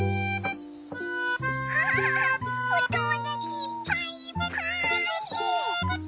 キャハハハおともだちいっぱいいっぱい！